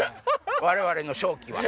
我々の勝機は。